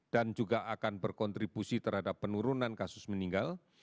dan juga akan berkontribusi terhadap penurunan kasus meninggal